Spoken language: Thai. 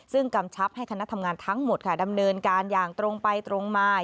ซึ่งกำชับให้คณะทำงานทั้งหมดค่ะดำเนินการอย่างตรงไปตรงมา